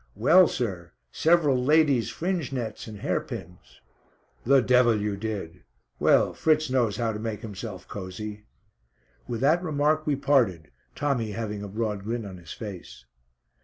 "Well, sir, several ladies' fringe nets and hair pins." "The devil you did. Well, Fritz knows how to make himself cosy." With that remark we parted, Tommy having a broad grin on his face.